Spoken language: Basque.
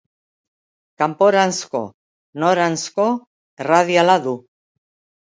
Kanporanzko noranzko erradiala du.